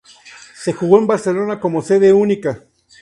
Se jugó en Barcelona como sede única.